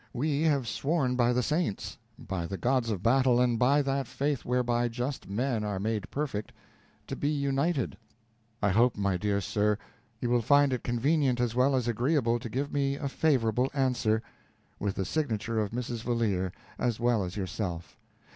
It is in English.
We have sworn by the saints by the gods of battle, and by that faith whereby just men are made perfect to be united. I hope, my dear sir, you will find it convenient as well as agreeable to give me a favorable answer, with the signature of Mrs. Valeer, as well as yourself.